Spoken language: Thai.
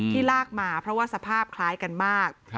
ลากมาเพราะว่าสภาพคล้ายกันมาก